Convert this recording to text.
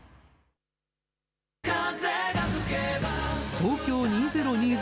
東京２０２０